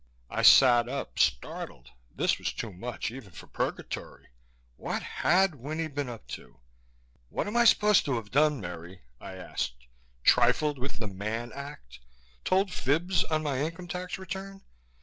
I sat up, startled. This was too much, even for purgatory. What had Winnie been up to? "What am I supposed to have done, Merry?" I asked. "Trifled with the Mann Act? Told fibs on my income tax return?